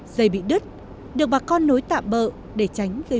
dây bị đứt được bà con nối tạm bợ để tránh gây nguồn